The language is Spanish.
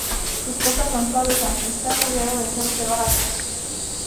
Sus costas son suaves, aunque está rodeado de cerros de baja altura.